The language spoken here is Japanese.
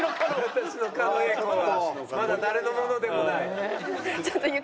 私の狩野英孝はまだ誰のものでもない。